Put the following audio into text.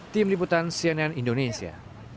tim liputan sianian indonesia